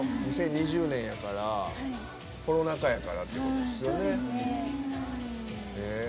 ２０２０年やからコロナ禍やからってことですよね。